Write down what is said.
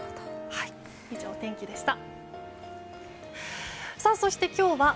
以上、お天気でした。